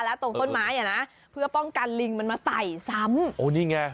และต้นไม้เพื่อป้องกันลิงมันมาไต่ซ้ำ